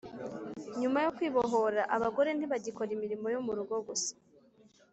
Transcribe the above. Nyuma yo kwibohora abagore ntibagikora imirimo yo mu rugo gusa